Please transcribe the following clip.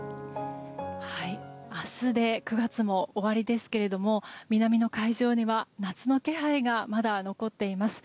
明日で９月も終わりですけども南の海上には夏の気配がまだ残っています。